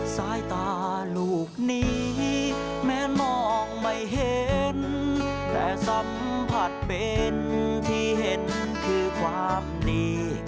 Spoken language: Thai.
สายตาลูกนี้แม้มองไม่เห็นแต่สัมผัสเป็นที่เห็นคือความดี